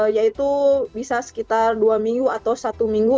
yaitu bisa sekitar dua minggu atau satu minggu